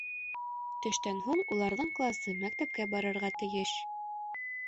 Төштән һуң уларҙың класы мәктәпкә барырға тейеш